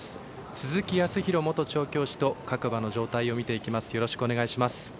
鈴木康弘元調教師と各馬の状態を見ていきます。